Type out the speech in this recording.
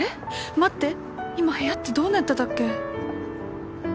待って今部屋ってどうなってたっけ？